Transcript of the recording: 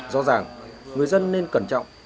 rõ ràng người dân nên cẩn trọng